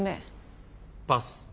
パス。